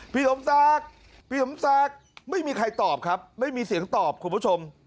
พี่สมศักดิ์ไม่มีใครตอบครับไม่มีเสียงตอบคุณผู้ชม